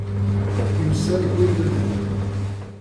Une seule est polygonale.